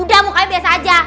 udah mukanya biasa aja